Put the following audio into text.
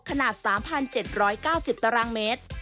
ขนาด๓๗๙๐ตารางเมตร